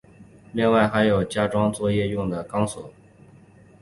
另外还有加装作业用的钢索。